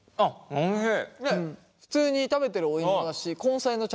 おいしい。